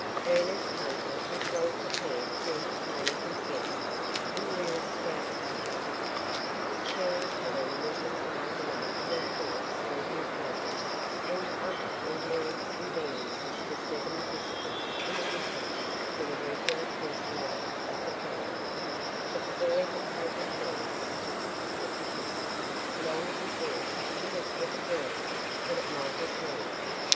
Ernest Hunter was well prepared to entertain his guests in real scout fashion. His parents' home was not large enough to afford sleeping quarters and other ordinary conveniences for seven visitors in addition to the regular personnel of the family, but the boy had taken care of this deficiency long before he had ever dreamed that it might occur.